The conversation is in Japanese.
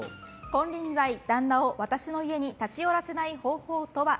金輪際、旦那を私の家に立ち寄らせない方法とは？